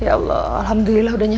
ya allah alhamdulillah udah nyala